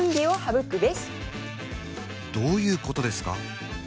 どういうことですか？